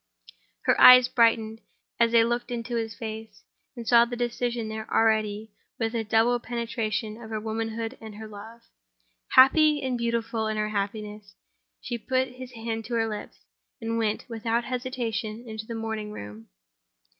Her eyes brightened, as they looked into his face and saw the decision there already, with the double penetration of her womanhood and her love. Happy, and beautiful in her happiness, she put his hand to her lips, and went, without hesitation, into the morning room.